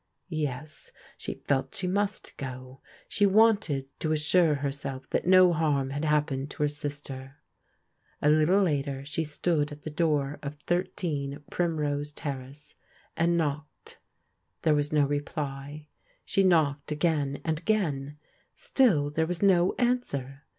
Yes, she felt she must go. She wanted to assure herself that no harm had happened to her sister. A little later she stood at the door of 13, Primrose Terrace, and knocked. There was no reply. She knocked again and again, still there was no answer.